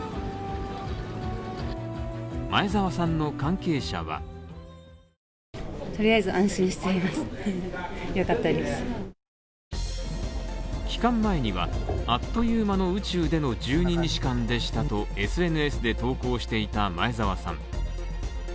前澤さんの関係者は帰還前にはあっという間の宇宙での１２日間でしたとＳＮＳで投稿していた前澤さん。